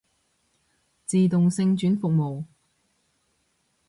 自動性轉服務